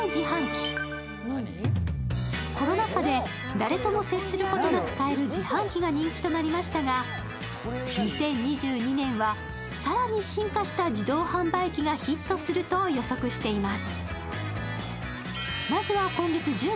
コロナ禍で誰とも接することなく買える自販機が人気となりましたが２０２２年は更に進化した自動販売機がヒットすると予測しています。